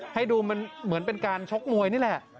ให้ดูมันเหมือนเป็นการชกมวยนี่แหละ